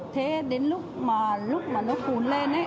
thế đến lúc mà nó phùn lên